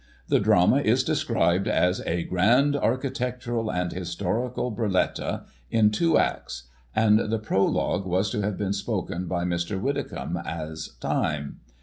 The drama is described as * a grand architectural and historical burletta,' in two acts ; and the prologue was to have been spoken by Mr. Widdicomb, as Time.